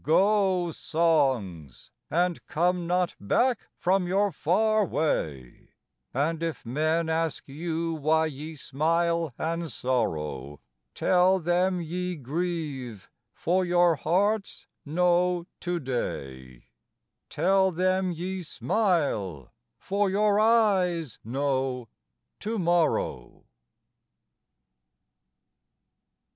Go, songs, and come not back from your far way; And if men ask you why ye smile and sorrow, Tell them ye grieve, for your hearts know To day, Tell them ye smile, for your eyes know To morrow.